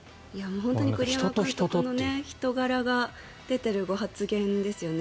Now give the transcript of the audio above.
本当に栗山監督の人柄が出てるご発言ですよね。